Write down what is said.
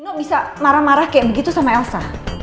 no bisa marah marah kayak begitu sama elsa